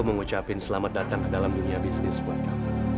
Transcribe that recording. kenalin semuanya ini nonatalita